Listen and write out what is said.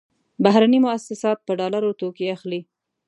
بهرني موسسات په ډالرو توکې اخلي.